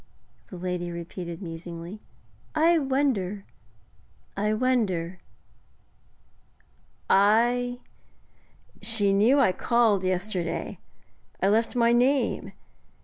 the lady repeated musingly. 'I wonder, I wonder.' 'She knew I called yesterday; I left my name.